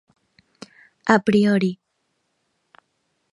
A priori.